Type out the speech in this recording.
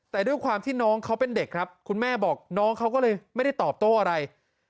แต่ด้วยความที่น้องเขาเป็นเด็กครับคุณแม่บอกน้องเขาก็เลยไม่ได้ตอบโต้อะไร